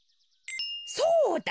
そうだ！